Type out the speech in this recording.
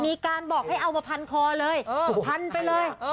มีการบอกให้เอามาพันคอเลยพันไปเลย